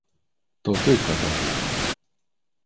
"to ty Katarzyno."